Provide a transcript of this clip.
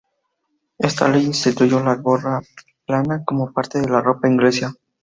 Esta ley instituyó la gorra plana como parte de la ropa inglesa.